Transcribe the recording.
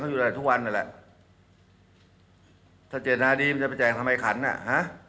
ก็อยู่ในแร่ทั่ววันเมื่อแหละถ้าเจรนาดีจะไปแจ่งทำไมขันอ่ะฮะ